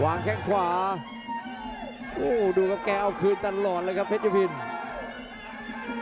แข้งขวาโอ้โหดูครับแกเอาคืนตลอดเลยครับเพชรพิน